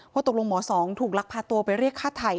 ตกลงหมอสองถูกลักพาตัวไปเรียกฆ่าไทย